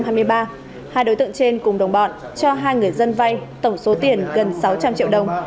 hai đối tượng trên cùng đồng bọn cho hai người dân vay tổng số tiền gần sáu trăm linh triệu đồng